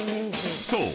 ［そう］